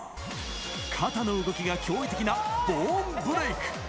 肩の動きが驚異的なボーンブレイク。